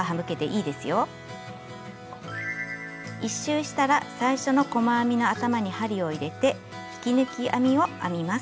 １周したら最初の細編みの頭に針を入れて引き抜き編みを編みます。